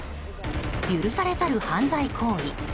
許されざる犯罪行為。